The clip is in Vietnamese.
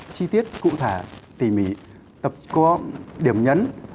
chi tiết cụ thể tỉ mỉ tập có điểm nhấn